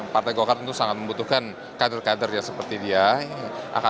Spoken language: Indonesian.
partai golkar tentu sangat membutuhkan kader kader seperti dia